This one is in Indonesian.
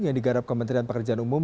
yang digarap kementerian pekerjaan umum